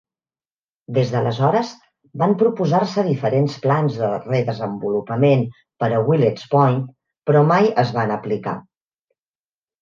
Des d'aleshores van proposar-se diferents plans de re-desenvolupament per a Willets Point, però mai es van aplicar.